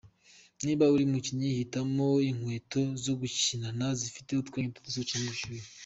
Niba uri umukinnyi, hitamo inkweto zo gukinana zifite utwenge duto dusohokeramo ubushyuhe.